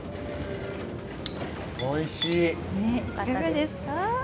おいしい。